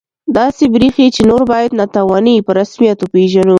داسې بریښي چې نور باید ناتواني په رسمیت وپېژنو